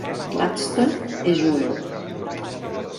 Gladstone és jueu.